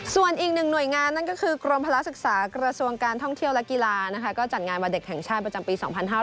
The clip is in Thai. ส่วนอีกหนึ่งหน่วยงานนั่นก็คือกรมพละศึกษากระทรวงการท่องเที่ยวและกีฬานะคะก็จัดงานวันเด็กแห่งชาติประจำปี๒๕๕๙